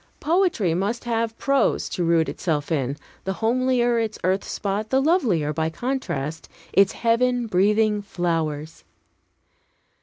Poetry must have prose to root itself in; the homelier its earth spot, the lovelier, by contrast, its heaven breathing flowers.